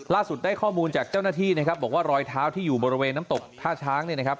ได้ข้อมูลจากเจ้าหน้าที่นะครับบอกว่ารอยเท้าที่อยู่บริเวณน้ำตกท่าช้างเนี่ยนะครับ